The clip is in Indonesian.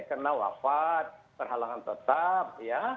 karena wafat perhalangan tetap ya